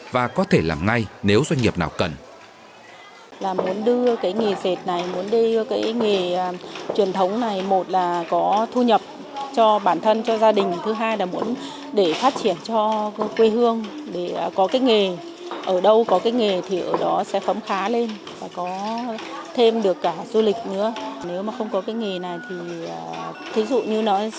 và có thể làm ngay nếu doanh nghiệp nào cần